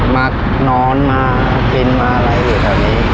มานอนมากินมาอะไรอยู่แถวนี้